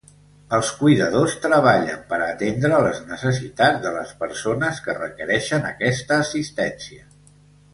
Els cuidadors treballen per a atendre les necessitats de les persones que requereixen aquesta assistència.